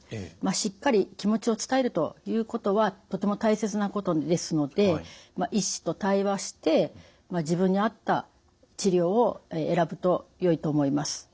しっかり気持ちを伝えるということはとても大切なことですので医師と対話して自分に合った治療を選ぶとよいと思います。